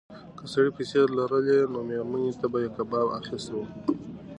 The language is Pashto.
که سړي پیسې لرلای نو مېرمنې ته به یې کباب اخیستی و.